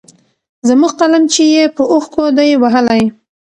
زموږ قلم چي يې په اوښکو دی وهلی